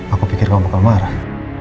aku pikir kamu akan marah